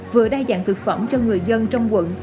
vừa đa dạng thực phẩm cho người dân trong quận